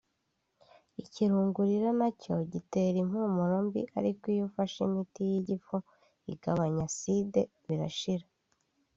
Ikirungurira (acidite oeso -gastrique) na cyo gitera impumuro mbi ariko iyo ufashe imiti y’igifu igabanya acide birashira